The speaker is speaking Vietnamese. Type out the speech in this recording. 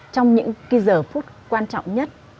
trong những cái giờ phút quan trọng nhất